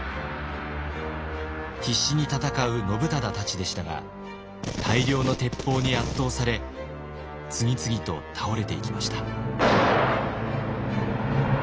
必死に戦う信忠たちでしたが大量の鉄砲に圧倒され次々と倒れていきました。